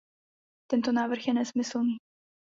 Tento návrh je nesmyslný.